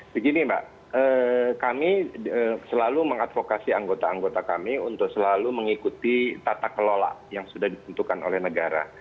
begini mbak kami selalu mengadvokasi anggota anggota kami untuk selalu mengikuti tata kelola yang sudah ditentukan oleh negara